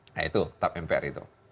nah itu tap mpr itu